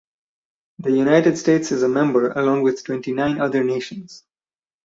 The United States is a member along with twenty-nine other nations.